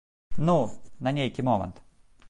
Ну, на нейкі момант.